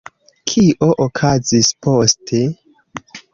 Kio okazis poste?